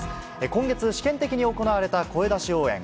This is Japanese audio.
今月、試験的に行われた声出し応援。